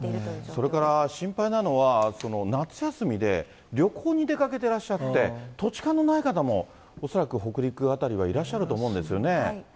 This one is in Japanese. それから心配なのは夏休みで、旅行に出かけてらっしゃって、土地勘のない方も恐らく北陸辺りはいらっしゃると思うんですよね。